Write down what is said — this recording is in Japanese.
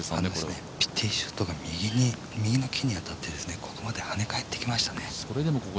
ティーショットが右の木に当たってここまではね返ってきましたね。